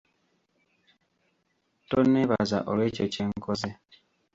Tonneebaza olw'ekyo kyenkoze.